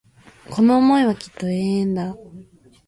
この思いはきっと永遠だ